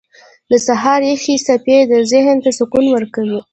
• د سهار یخې څپې ذهن ته سکون ورکوي.